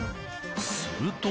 すると。